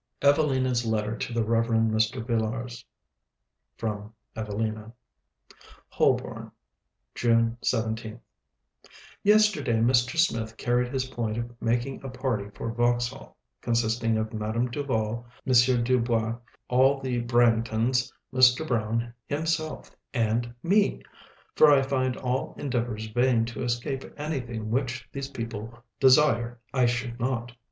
EVELINA'S LETTER TO THE REV. MR. VILLARS From 'Evelina' Holborn, June 17th Yesterday Mr. Smith carried his point of making a party for Vauxhall, consisting of Madame Duval, M. Du Bois, all the Branghtons, Mr. Brown, himself, and me! for I find all endeavors vain to escape anything which these people desire I should not.